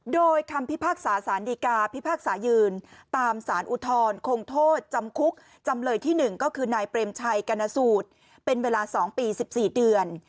โดยคำพิพากษาสารดีกาพิพากษายืนตามสารอุทธรณ์คงโทษจำคุกจำเลยที่๑ก็คือนายเปรมชัยกรณสูตรเป็นเวลา๒ปี๑๔เดือน